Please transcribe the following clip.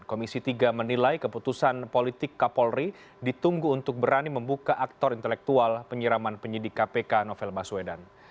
komisi tiga menilai keputusan politik kapolri ditunggu untuk berani membuka aktor intelektual penyiraman penyidik kpk novel baswedan